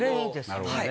なるほどね。